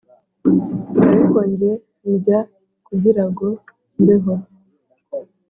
ariko nge ndya kugirago mbeho*